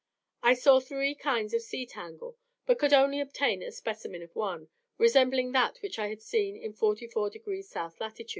I saw three kinds of sea tangle, but could only obtain a specimen of one, resembling that which I had seen in 44 degrees South lat.